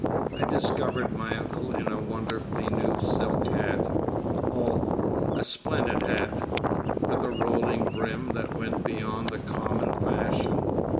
I discovered my uncle in a wonderfully new silk hat—oh, a splendid hat! with a rolling brim that went beyond the common fashion.